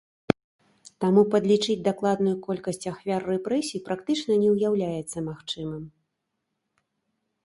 Таму падлічыць дакладную колькасць ахвяр рэпрэсій практычна не ўяўляецца магчымым.